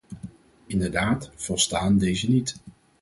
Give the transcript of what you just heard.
Inderdaad volstaan deze niet.